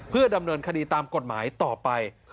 เพื่อดำเนินคดีตามกฎหมายต่อไป